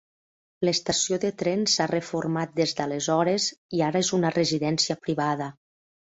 L'estació de tren s'ha reformat des d'aleshores i ara és una residència privada.